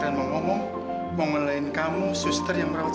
loh papa kok abis dari mana sih